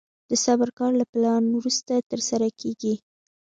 د صبر کار له پلان وروسته ترسره کېږي.